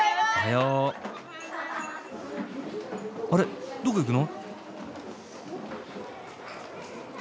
あれどこ行くの？